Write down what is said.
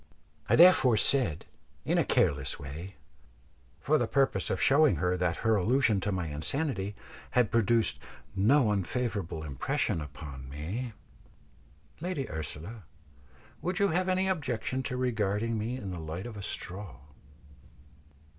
I therefore said, in a careless way, for the purpose of showing her that her allusion to my insanity had produced no unfavourable impression upon me, "Lady Ursula, would you have any objection to regarding me in the light of a straw?"